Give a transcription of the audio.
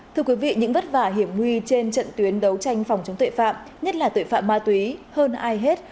thưa quý vị những vất vả hiểm nguy trên trận tuyến đấu tranh phòng chống tội phạm nhất là tội phạm ma túy hơn ai hết